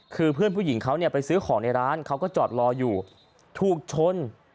คือเพื่อนผู้หญิงเขาเนี่ยไปซื้อของในร้านเขาก็จอดรออยู่ถูกชน